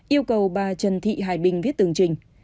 yêu cầu bà trần thị hải bình viết tường trình